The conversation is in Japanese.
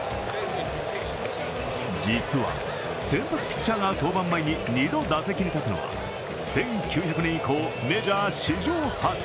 実は、先発ピッチャーが登板前に２度打席に立つのは１９００年以降、メジャー史上初。